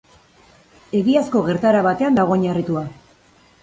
Egiazko gertaera batean dago oinarritua.